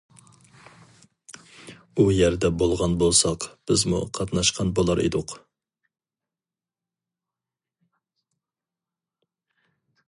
ئۇ يەردە بولغان بولساق بىزمۇ قاتناشقان بولار ئىدۇق!